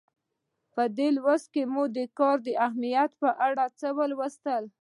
په دې لوست کې مو د کار د اهمیت په اړه څه ولوستل.